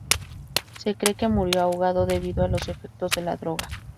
Se cree que murió ahogado debido a los efectos de la droga.